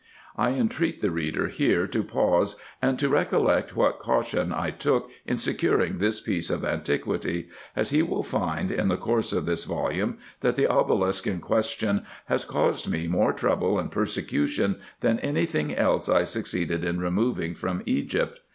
I entreat the reader here to pause, and to recollect what caution I took in securing this piece of antiquity ; as he will find, in the course of this volume, that the obelisk in question has caused me more trouble and persecution than any thing else I succeeded in removing from Egypt.